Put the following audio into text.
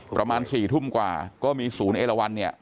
ประมาณ๔ทุ่มกว่าก็มีศูนย์เอลวันเนี่ย